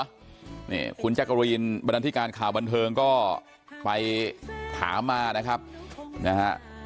นี่คุณจักรีนบรรดาธิการข่าวบันเทิงก็ไปถามมานะครับนะฮะ